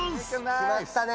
きまったね！